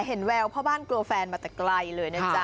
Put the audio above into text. เห็นแววเพราะบ้านกลัวแฟนมาแต่ไกลเลยนะจ๊ะ